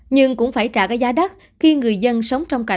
nhưng cũng phải trả cái giá đắt khi người dân sống trong cảnh